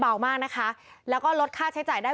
เบามากนะคะแล้วก็ลดค่าใช้จ่ายได้